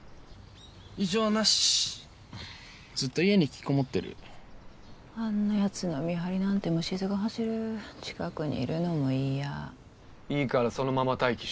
異常なしずっと家に引きこもってるあんなヤツの見張りなんてむしずが走る近くにいるのも嫌いいからそのまま待機し